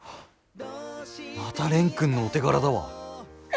また蓮くんのお手柄だわ。